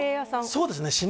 そうですね